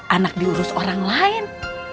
anak diurus orang lain